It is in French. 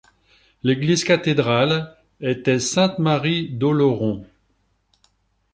L'église cathédrale était Sainte-Marie d'Oloron.